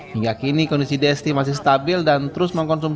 hingga kini kondisi desti masih stabil dan terus mengkonsumsi